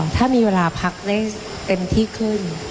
ถ้ามีเวลาพักได้เต็มที่ขึ้น